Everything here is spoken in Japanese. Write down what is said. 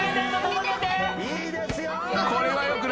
いいですよ。